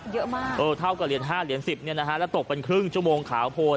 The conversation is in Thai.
เยอะมากเออเท่ากับเหรียญ๕เหรียญ๑๐เนี่ยนะฮะแล้วตกเป็นครึ่งชั่วโมงขาวโพน